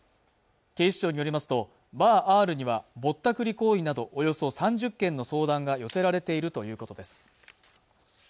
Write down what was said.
警視庁によりますとＢａｒＲにはぼったくり行為などおよそ３０件の相談が寄せられているということです